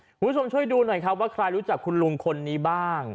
คุณผู้ชมช่วยดูหน่อยครับว่าใครรู้จักคุณลุงคนนี้บ้าง